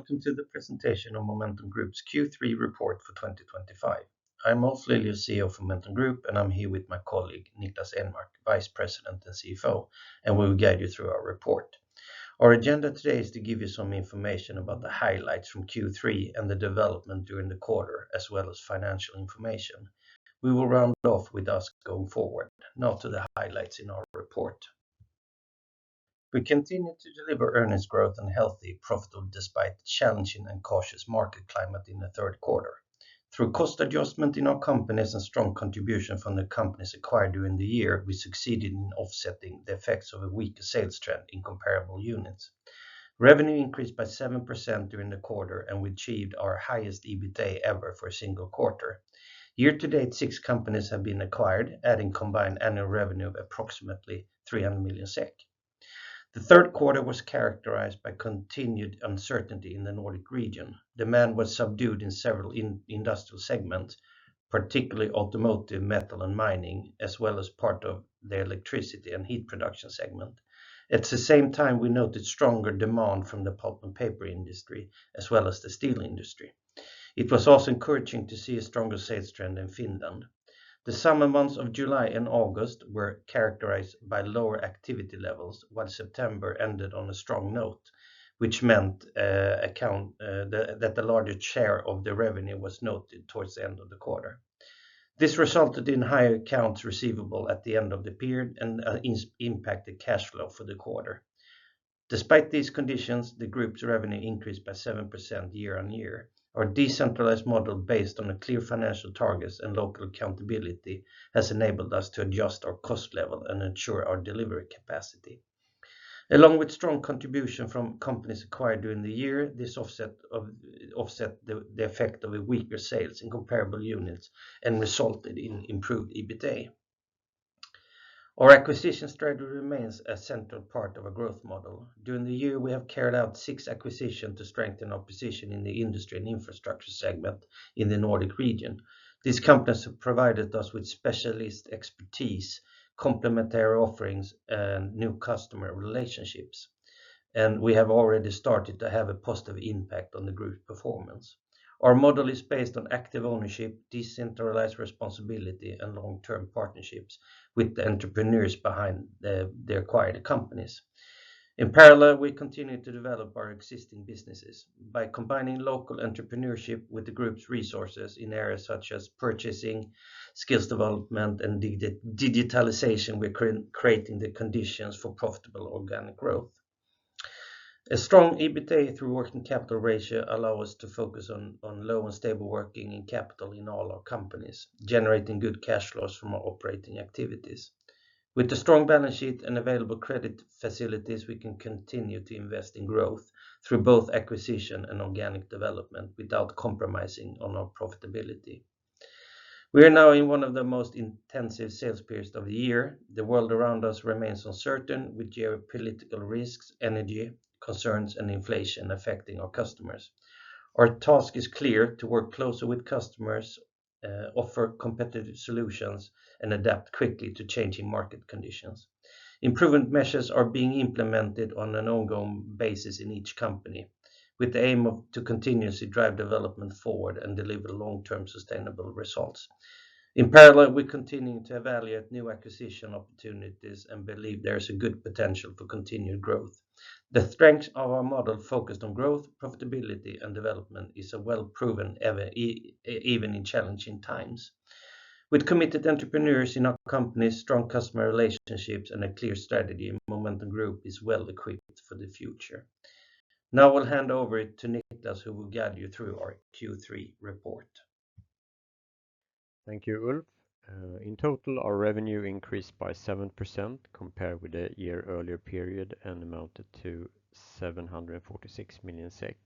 Welcome to the presentation on Momentum Group's Q3 report for 2025. I'm Ulf Lilius, CEO of Momentum Group, and I'm here with my colleague Niklas Enmark, Vice President and CFO, and we will guide you through our report. Our agenda today is to give you some information about the highlights from Q3 and the development during the quarter, as well as financial information. We will round off with Q&As going forward, now to the highlights in our report. We continue to deliver earnings growth and healthy profitability despite the challenging and cautious market climate in the third quarter. Through cost adjustment in our companies and strong contribution from the companies acquired during the year, we succeeded in offsetting the effects of a weaker sales trend in comparable units. Revenue increased by 7% during the quarter, and we achieved our highest EBITDA ever for a single quarter. Year-to-date, six companies have been acquired, adding combined annual revenue of approximately 300 million SEK. The third quarter was characterized by continued uncertainty in the Nordic region. Demand was subdued in several industrial segments, particularly automotive, metal, and mining, as well as part of the electricity and heat production segment. At the same time, we noted stronger demand from the pulp and paper industry, as well as the steel industry. It was also encouraging to see a stronger sales trend in Finland. The summer months of July and August were characterized by lower activity levels, while September ended on a strong note, which meant that a larger share of the revenue was noted towards the end of the quarter. This resulted in higher accounts receivable at the end of the period and impacted cash flow for the quarter. Despite these conditions, the group's revenue increased by 7% year-on-year. Our decentralized model, based on clear financial targets and local accountability, has enabled us to adjust our cost level and ensure our delivery capacity. Along with strong contribution from companies acquired during the year, this offset the effect of weaker sales in comparable units and resulted in improved EBITDA. Our acquisition strategy remains a central part of our growth model. During the year, we have carried out six acquisitions to strengthen our position in the industry and infrastructure segment in the Nordic region. These companies have provided us with specialist expertise, complementary offerings, and new customer relationships, and we have already started to have a positive impact on the group's performance. Our model is based on active ownership, decentralized responsibility, and long-term partnerships with the entrepreneurs behind the acquired companies. In parallel, we continue to develop our existing businesses. By combining local entrepreneurship with the group's resources in areas such as purchasing, skills development, and digitalization, we're creating the conditions for profitable organic growth. A strong EBITDA through working capital ratio allows us to focus on low and stable working capital in all our companies, generating good cash flows from our operating activities. With a strong balance sheet and available credit facilities, we can continue to invest in growth through both acquisition and organic development without compromising on our profitability. We are now in one of the most intensive sales periods of the year. The world around us remains uncertain, with geopolitical risks, energy concerns, and inflation affecting our customers. Our task is clear: to work closer with customers, offer competitive solutions, and adapt quickly to changing market conditions. Improvement measures are being implemented on an ongoing basis in each company, with the aim of continuously driving development forward and delivering long-term sustainable results. In parallel, we continue to evaluate new acquisition opportunities and believe there is a good potential for continued growth. The strength of our model, focused on growth, profitability, and development, is well-proven even in challenging times. With committed entrepreneurs in our companies, strong customer relationships, and a clear strategy, Momentum Group is well-equipped for the future. Now I'll hand over to Niklas, who will guide you through our Q3 report. Thank you, Ulf. In total, our revenue increased by 7% compared with the year-earlier period and amounted to 746 million SEK,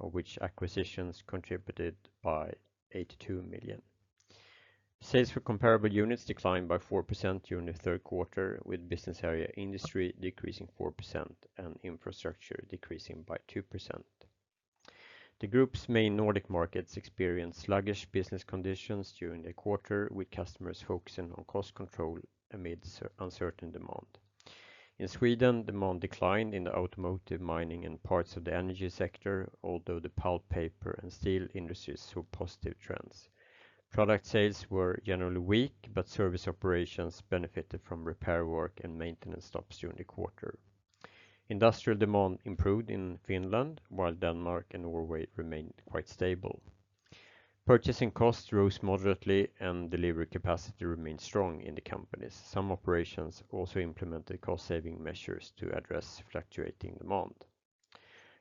of which acquisitions contributed by 82 million. Sales for comparable units declined by 4% during the third quarter, with business area Industry decreasing 4% and Infrastructure decreasing by 2%. The group's main Nordic markets experienced sluggish business conditions during the quarter, with customers focusing on cost control amid uncertain demand. In Sweden, demand declined in the automotive, mining, and parts of the energy sector, although the pulp, paper, and steel industries saw positive trends. Product sales were generally weak, but service operations benefited from repair work and maintenance stops during the quarter. Industrial demand improved in Finland, while Denmark and Norway remained quite stable. Purchasing costs rose moderately, and delivery capacity remained strong in the companies. Some operations also implemented cost-saving measures to address fluctuating demand.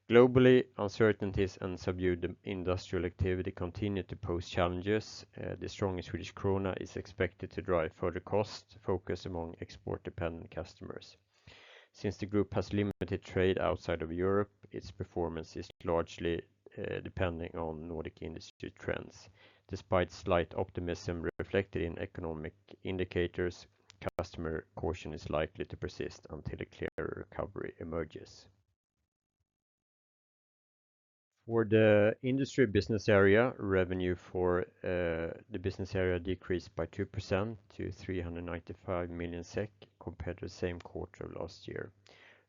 Globally, uncertainties and subdued industrial activity continue to pose challenges. The strong Swedish krona is expected to drive further cost focus among export-dependent customers. Since the group has limited trade outside of Europe, its performance is largely depending on Nordic industry trends. Despite slight optimism reflected in economic indicators, customer caution is likely to persist until a clear recovery emerges. For the industry business area, revenue for the business area decreased by 2% to 395 million SEK compared to the same quarter of last year.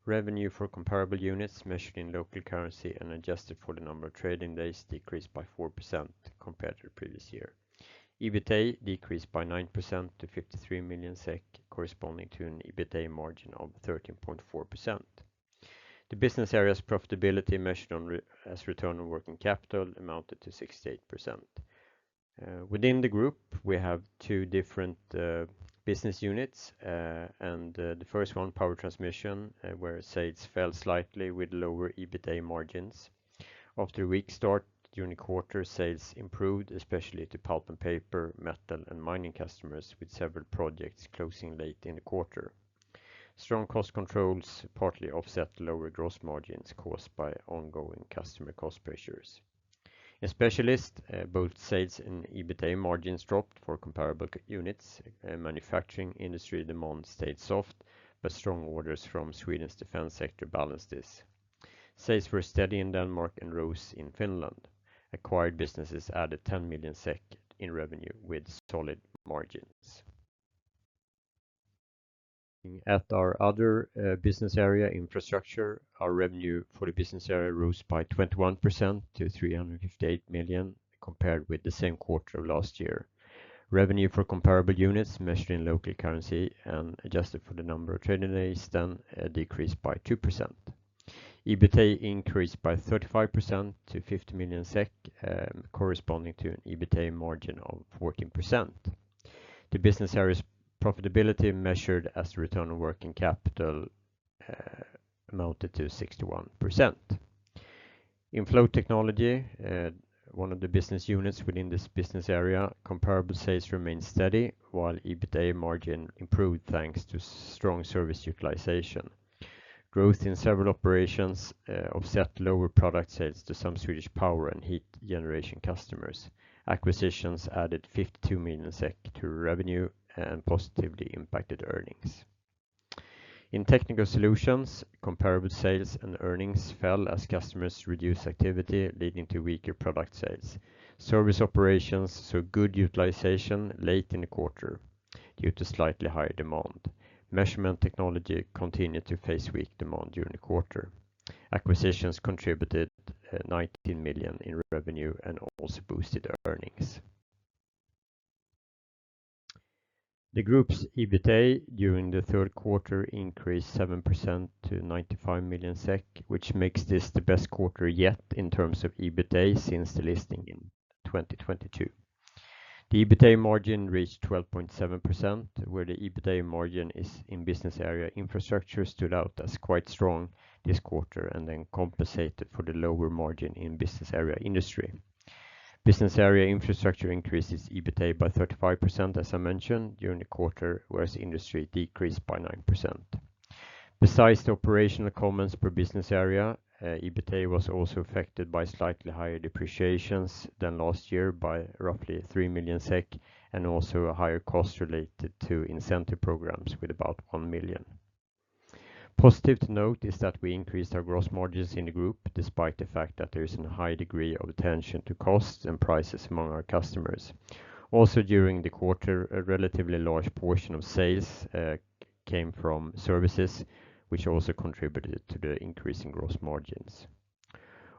Revenue for comparable units, measured in local currency and adjusted for the number of trading days, decreased by 4% compared to the previous year. EBITDA decreased by 9% to 53 million SEK, corresponding to an EBITDA margin of 13.4%. The business area's profitability measured as return on working capital amounted to 68%. Within the group, we have two different business units, and the first one, Power Transmission, where sales fell slightly with lower EBITDA margins. After a weak start during the quarter, sales improved, especially to pulp and paper, metal, and mining customers, with several projects closing late in the quarter. Strong cost controls partly offset lower gross margins caused by ongoing customer cost pressures. In Specialist, both sales and EBITDA margins dropped for comparable units. Manufacturing industry demand stayed soft, but strong orders from Sweden's defense sector balanced this. Sales were steady in Denmark and rose in Finland. Acquired businesses added 10 million SEK in revenue with solid margins. At our other business area, infrastructure, our revenue for the business area rose by 21% to 358 million compared with the same quarter of last year. Revenue for comparable units, measured in local currency and adjusted for the number of trading days, then decreased by 2%. EBITDA increased by 35% to 50 million SEK, corresponding to an EBITDA margin of 14%. The business area's profitability measured as return on working capital amounted to 61%. In Flow Technology, one of the business units within this business area, comparable sales remained steady, while EBITDA margin improved thanks to strong service utilization. Growth in several operations offset lower product sales to some Swedish power and heat generation customers. Acquisitions added 52 million SEK to revenue and positively impacted earnings. In Technical Solutions, comparable sales and earnings fell as customers reduced activity, leading to weaker product sales. Service operations saw good utilization late in the quarter due to slightly higher demand. Measurement Technology continued to face weak demand during the quarter. Acquisitions contributed 19 million in revenue and also boosted earnings. The group's EBITDA during the third quarter increased 7% to 95 million SEK, which makes this the best quarter yet in terms of EBITDA since the listing in 2022. The EBITDA margin reached 12.7%, where the EBITDA margin in business area Infrastructure stood out as quite strong this quarter and then compensated for the lower margin in business area Industry. Business area Infrastructure increased its EBITDA by 35%, as I mentioned, during the quarter, whereas Industry decreased by 9%. Besides the operational comments per business area, EBITDA was also affected by slightly higher depreciations than last year by roughly 3 million SEK and also a higher cost related to incentive programs with about 1 million. Positive to note is that we increased our gross margins in the group despite the fact that there is a high degree of attention to costs and prices among our customers. Also, during the quarter, a relatively large portion of sales came from services, which also contributed to the increase in gross margins.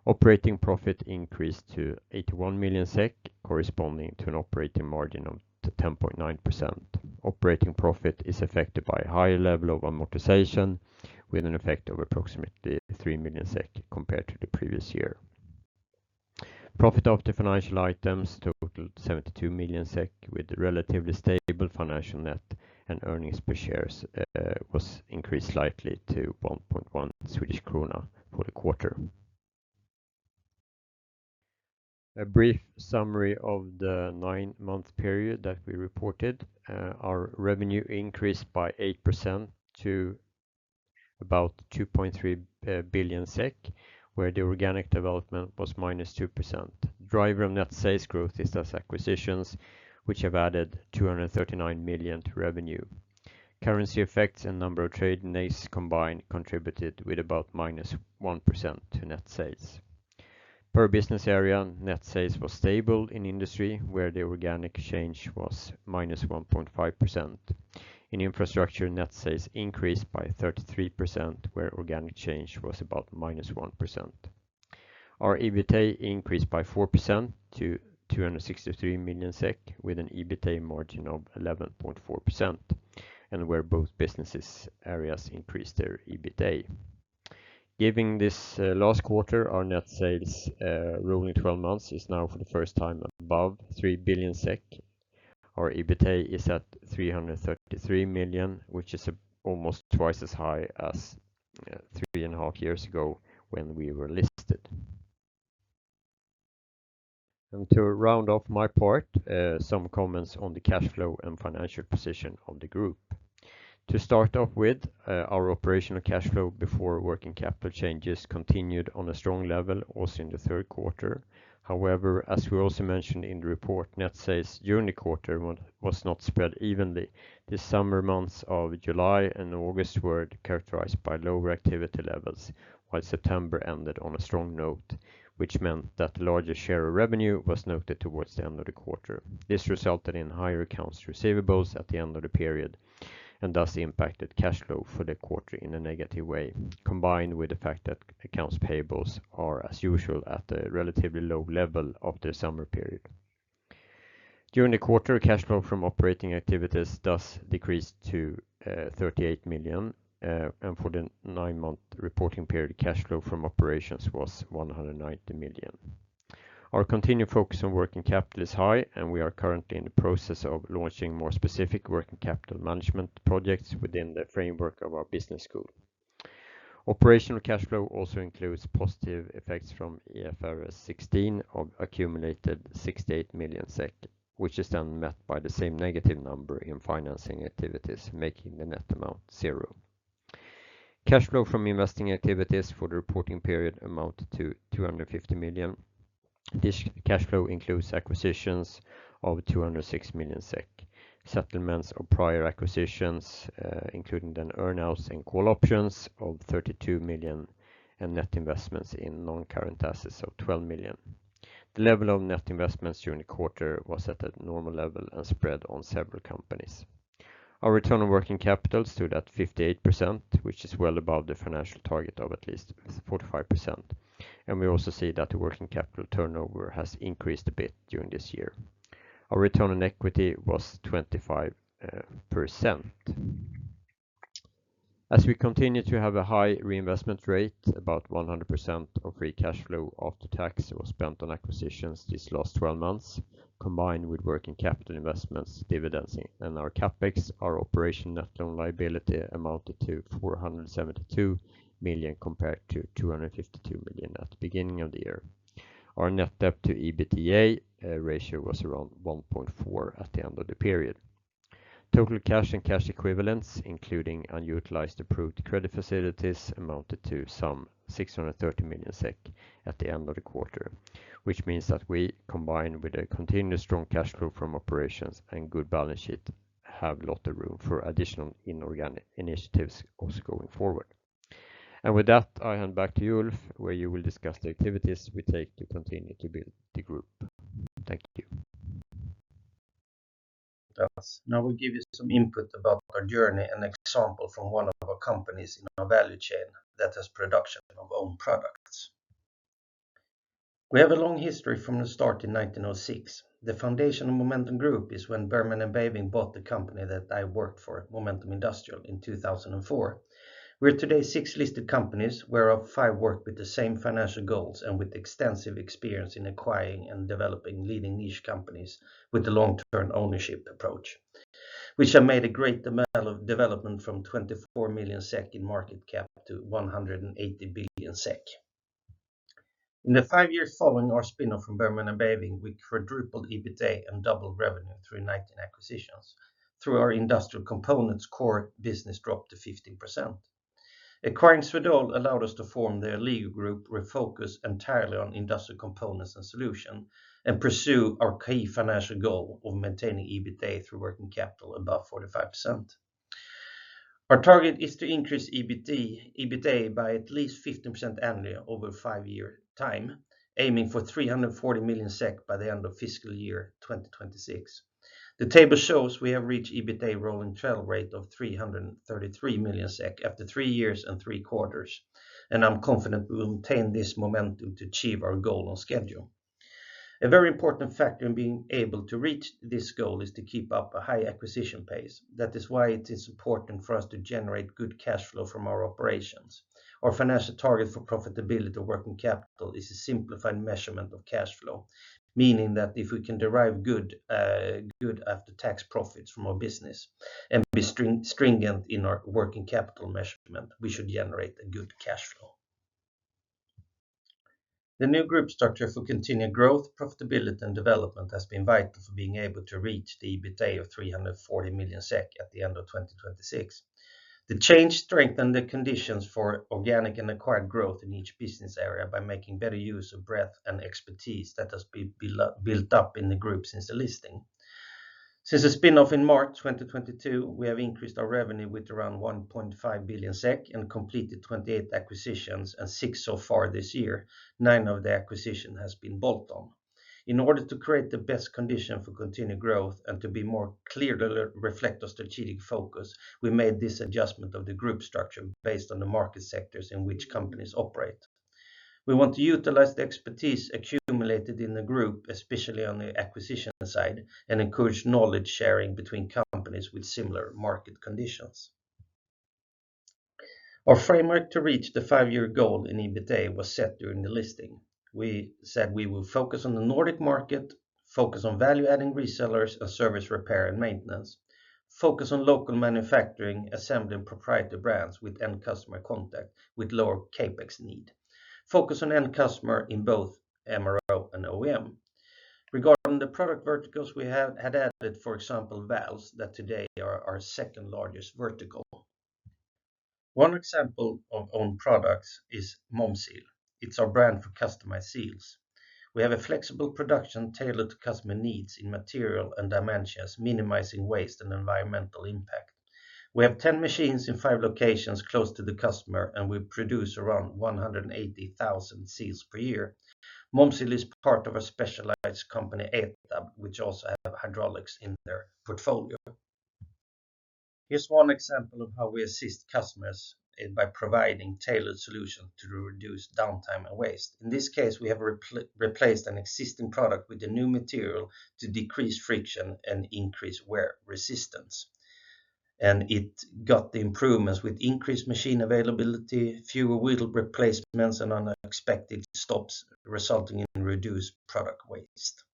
Operating profit increased to 81 million SEK, corresponding to an operating margin of 10.9%. Operating profit is affected by a higher level of amortization, with an effect of approximately 3 million SEK compared to the previous year. Profit after financial items totaled 72 million SEK, with a relatively stable financial net and earnings per share was increased slightly to 1.1 Swedish krona for the quarter. A brief summary of the nine-month period that we reported: our revenue increased by 8% to about 2.3 billion SEK, where the organic development was -2%. The driver of net sales growth is thus acquisitions, which have added 239 million to revenue. Currency effects and number of trading days combined contributed with about -1% to net sales. Per business area, net sales were stable in industry, where the organic change was -1.5%. In infrastructure, net sales increased by 33%, where organic change was about -1%. Our EBITDA increased by 4% to 263 million SEK, with an EBITDA margin of 11.4%, and where both business areas increased their EBITDA. Given this last quarter, our net sales rolling 12 months is now for the first time above 3 billion SEK. Our EBITDA is at 333 million, which is almost twice as high as three and a half years ago when we were listed. And to round off my part, some comments on the cash flow and financial position of the group. To start off with, our operational cash flow before working capital changes continued on a strong level also in the third quarter. However, as we also mentioned in the report, net sales during the quarter was not spread evenly. The summer months of July and August were characterized by lower activity levels, while September ended on a strong note, which meant that the larger share of revenue was noted towards the end of the quarter. This resulted in higher accounts receivable at the end of the period and thus impacted cash flow for the quarter in a negative way, combined with the fact that accounts payable are, as usual, at a relatively low level of the summer period. During the quarter, cash flow from operating activities thus decreased to 38 million, and for the nine-month reporting period, cash flow from operations was 190 million. Our continued focus on working capital is high, and we are currently in the process of launching more specific working capital management projects within the framework of our Business School. Operational cash flow also includes positive effects from IFRS 16 of accumulated 68 million SEK, which is then met by the same negative number in financing activities, making the net amount zero. Cash flow from investing activities for the reporting period amounted to 250 million. This cash flow includes acquisitions of 206 million SEK, settlements of prior acquisitions, including earn-outs and call options of 32 million, and net investments in non-current assets of 12 million. The level of net investments during the quarter was at a normal level and spread on several companies. Our return on working capital stood at 58%, which is well above the financial target of at least 45%. And we also see that the working capital turnover has increased a bit during this year. Our return on equity was 25%. As we continue to have a high reinvestment rate, about 100% of free cash flow after tax was spent on acquisitions these last 12 months, combined with working capital investments, dividends, and our CapEx, our operating net loan liability amounted to 472 million compared to 252 million at the beginning of the year. Our net debt to EBITDA ratio was around 1.4 at the end of the period. Total cash and cash equivalents, including unutilized approved credit facilities, amounted to some 630 million SEK at the end of the quarter, which means that we, combined with a continued strong cash flow from operations and good balance sheet, have a lot of room for additional inorganic initiatives going forward. And with that, I hand back to Ulf, where you will discuss the activities we take to continue to build the group. Thank you. Now we'll give you some input about our journey and an example from one of our companies in our value chain that has production of own products. We have a long history from the start in 1906. The foundation of Momentum Group is when Bergman & Beving bought the company that I worked for, Momentum Industrial, in 2004. We are today six listed companies, whereof five work with the same financial goals and with extensive experience in acquiring and developing leading niche companies with a long-term ownership approach, which have made a great development from 24 million SEK in market cap to 180 billion SEK. In the five years following our spin-off from Bergman & Beving, we quadrupled EBITDA and doubled revenue through 19 acquisitions. Through our industrial components, core business dropped to 15%. Acquiring Swedol allowed us to form the Alligo, where focus entirely on industrial components and solution, and pursue our key financial goal of maintaining EBITDA through working capital above 45%. Our target is to increase EBITDA by at least 15% annually over a five-year time, aiming for 340 million SEK by the end of fiscal year 2026. The table shows we have reached EBITDA rolling 12 rate of 333 million SEK after three years and three quarters, and I'm confident we will attain this momentum to achieve our goal on schedule. A very important factor in being able to reach this goal is to keep up a high acquisition pace. That is why it is important for us to generate good cash flow from our operations. Our financial target for profitability of working capital is a simplified measurement of cash flow, meaning that if we can derive good after-tax profits from our business and be stringent in our working capital measurement, we should generate a good cash flow. The new group structure for continued growth, profitability, and development has been vital for being able to reach the EBITDA of 340 million SEK at the end of 2026. The change strengthened the conditions for organic and acquired growth in each business area by making better use of breadth and expertise that has been built up in the group since the listing. Since the spin-off in March 2022, we have increased our revenue with around 1.5 billion SEK and completed 28 acquisitions and six so far this year. Nine of the acquisitions have been bolt-on. In order to create the best condition for continued growth and to more clearly reflect our strategic focus, we made this adjustment of the group structure based on the market sectors in which companies operate. We want to utilize the expertise accumulated in the group, especially on the acquisition side, and encourage knowledge sharing between companies with similar market conditions. Our framework to reach the five-year goal in EBITDA was set during the listing. We said we will focus on the Nordic market, focus on value-adding resellers and service repair and maintenance, focus on local manufacturing, assembling proprietary brands with end customer contact with lower CapEx need, focus on end customer in both MRO and OEM. Regarding the product verticals, we had added, for example, valves that today are our second largest vertical. One example of own products is MomSeal. It's our brand for customized seals. We have a flexible production tailored to customer needs in material and dimensions, minimizing waste and environmental impact. We have 10 machines in five locations close to the customer, and we produce around 180,000 seals per year. MomSeal is part of a specialized company, Momentum Industrial, which also has hydraulics in their portfolio. Here's one example of how we assist customers by providing tailored solutions to reduce downtime and waste. In this case, we have replaced an existing product with a new material to decrease friction and increase wear resistance, and it got the improvements with increased machine availability, fewer wheel replacements, and unexpected stops resulting in reduced product waste.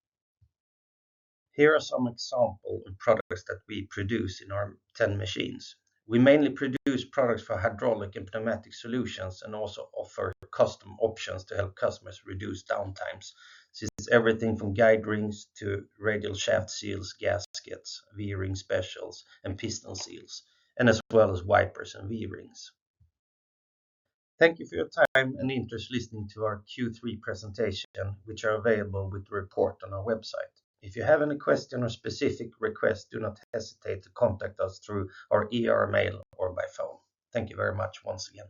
Here are some examples of products that we produce in our 10 machines. We mainly produce products for hydraulic and pneumatic solutions and also offer custom options to help customers reduce downtimes, since everything from guide rings to radial shaft seals, gaskets, V-ring specials, and piston seals, and as well as wipers and V-rings. Thank you for your time and interest listening to our Q3 presentation, which are available with the report on our website. If you have any questions or specific requests, do not hesitate to contact us through our mail or by phone. Thank you very much once again.